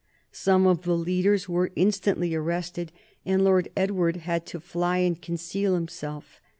Some of the leaders were instantly arrested, and Lord Edward had to fly and conceal himself.